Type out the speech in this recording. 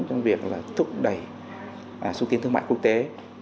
trong việc là thúc đẩy xúc tiến thương mại quốc tế